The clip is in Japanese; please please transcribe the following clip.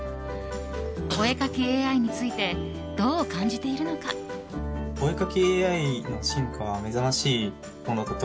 お絵描きＡＩについてどう感じているのか。